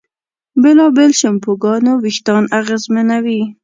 بېلابېل شیمپوګان وېښتيان اغېزمنوي.